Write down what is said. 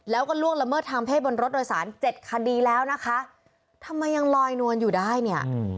แล้วก็ล่วงละเมิดทางเพศบนรถโดยสารเจ็ดคดีแล้วนะคะทำไมยังลอยนวลอยู่ได้เนี่ย